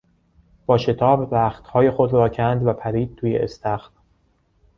با شتاب رختهای خود را کند و پرید توی استخر.